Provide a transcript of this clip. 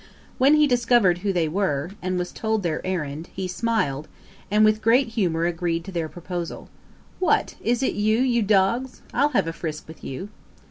When he discovered who they were, and was told their errand, he smiled, and with great good humour agreed to their proposal: 'What, is it you, you dogs! I'll have a frisk with you.'